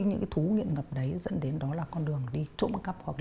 những cái thú nghiện ngập đấy dẫn đến đó là con đường đi trộm cắp hoặc là